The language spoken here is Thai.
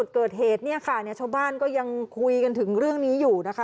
เกิดเหตุเนี่ยค่ะเนี่ยชาวบ้านก็ยังคุยกันถึงเรื่องนี้อยู่นะคะ